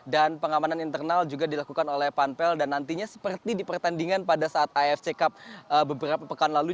dan pengamanan internal juga dilakukan oleh panpel dan nantinya seperti dipertandingan pada saat afc cup beberapa pekan lalu